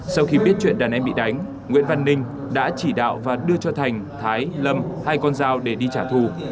sau khi biết chuyện đàn em bị đánh nguyễn văn ninh đã chỉ đạo và đưa cho thành thái lâm hai con dao để đi trả thù